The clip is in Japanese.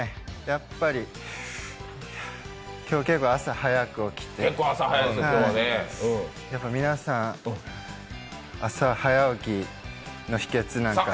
やっぱり今日、結構朝早く起きて、皆さん、朝、早起きの秘けつなんか。